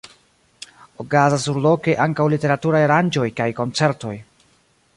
Okazas surloke ankaŭ literaturaj aranĝoj kaj koncertoj.